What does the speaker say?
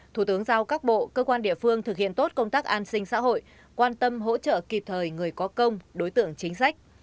thủ tướng giao các bộ cơ quan địa phương thực hiện tốt công tác an sinh xã hội quan tâm hỗ trợ kịp thời người có công đối tượng chính sách